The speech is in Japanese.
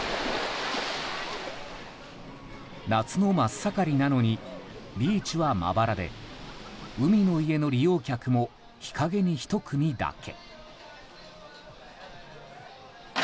夏の真っ盛りなのにビーチはまばらで海の家の利用客も日陰に１組だけ。